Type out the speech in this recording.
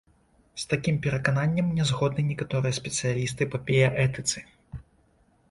З такім перакананнем нязгодны некаторыя спецыялісты па біяэтыцы.